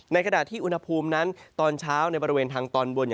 ในขณะที่อุณหภูมินั้นตอนเช้าในบริเวณทางตอนบน